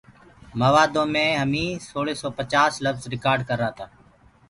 موآدو مي همنٚ سوݪي سو پچآس لڦج رڪآرڊ ڪررآ۔